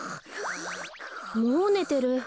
もうねてる。